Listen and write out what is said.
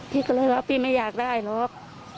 พี่ก็เลยว่าพี่ไม่อยากได้หรอก